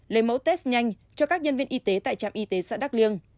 lấy mẫu test nhanh cho các nhân viên y tế tại trạm y tế xã đắk liêng